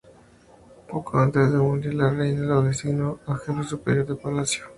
Poco antes de morir, la Reina lo designó Jefe Superior de Palacio.